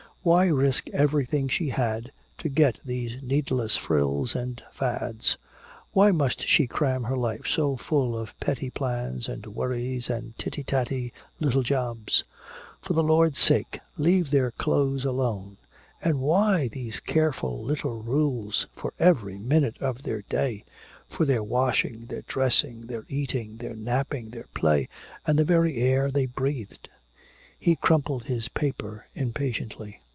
Why risk everything she had to get these needless frills and fads? Why must she cram her life so full of petty plans and worries and titty tatty little jobs? For the Lord's sake, leave their clothes alone! And why these careful little rules for every minute of their day, for their washing, their dressing, their eating, their napping, their play and the very air they breathed! He crumpled his paper impatiently.